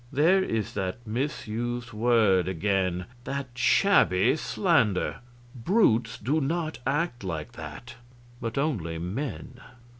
"There is that misused word again that shabby slander. Brutes do not act like that, but only men."